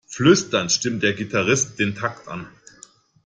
Flüsternd stimmt der Gitarrist den Takt an.